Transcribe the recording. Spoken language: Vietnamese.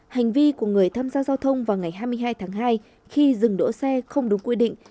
hành vi của người tham gia giao thông vào ngày hai mươi hai tháng hai khi dừng đỗ xe không đúng quy định